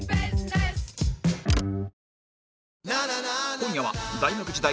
今夜は大学時代